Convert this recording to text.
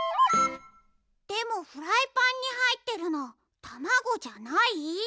でもフライパンにはいってるのたまごじゃない？